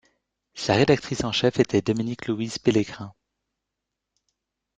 Sa rédactrice en chef était Dominique Louise Pélegrin.